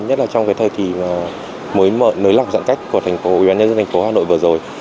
nhất là trong cái thời kỳ mới mới lọc giãn cách của ubnd tp hà nội vừa rồi